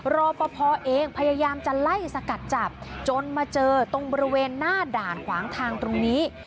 รอปภเองพยายามจะไล่สกัดจับจนมาเจอตรงบริเวณหน้าด่านขวางทางตรงนี้